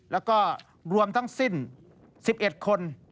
แล้วก็รวมทั้งสิ้น๑๑คน